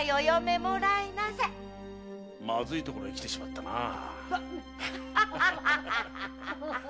まずいところに来てしまったなあ。